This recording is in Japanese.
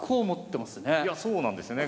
いやそうなんですね。